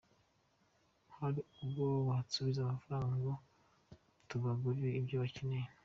Hari ubwo badusubiza amafaranga ngo tubagurire ibyo bakeneye.